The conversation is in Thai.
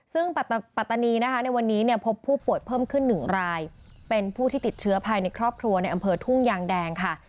ซึ่งปัตตานีนะคะในวันนี้เนี่ยพบผู้ป่วยเพิ่มขึ้น๑รายเป็นผู้ที่ติดเชื้อภายในครอบครัวในอำเภอทุ่งยางแดงค่ะ